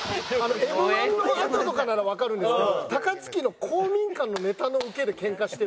Ｍ−１のあととかならわかるんですけど高槻の公民館のネタのウケでケンカしてるっていう。